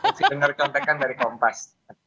masih dengar kontekan dari kompas